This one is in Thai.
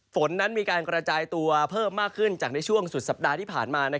ฝนนั้นมีการกระจายตัวเพิ่มมากขึ้นจากในช่วงสุดสัปดาห์ที่ผ่านมา